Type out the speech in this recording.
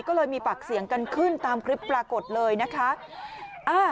ก็เลยมีปากเสียงกันขึ้นตามคลิปปรากฏเลยนะคะ